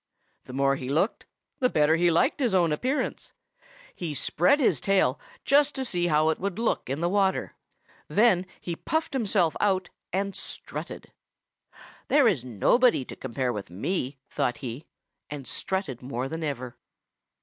The more he looked, the better he liked his own appearance. He spread his tail just to see how it would look in the water. Then he puffed himself out and strutted. "'There is nobody to compare with me,' thought he, and strutted more than ever.